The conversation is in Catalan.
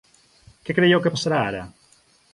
Què creieu que passarà ara?